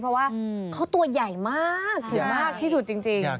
เพราะว่าเขาตัวใหญ่มากถึงมากที่สุดจริง